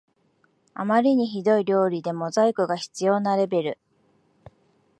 あまりにひどい料理でモザイクが必要なレベル